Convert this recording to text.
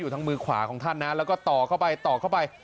ทั้งมือขวาของท่านนะแล้วก็ต่อเข้าไปต่อเข้าไป